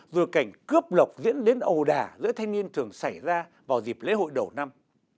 rồi cảnh cướp lộc diễn đến ầu đà giữa thanh niên thường xảy ra vào dịp lễ hội đầu năm